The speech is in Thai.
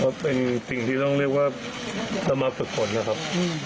เขาตื่นใจที่ต้องเรียกว่ากระมับฝึกคนนะครับ